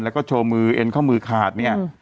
แล้วก็โชว์มือเอ็นข้อมือขาดเนี่ย